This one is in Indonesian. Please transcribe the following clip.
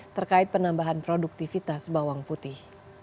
terkait penambahan produktivitas bawang putih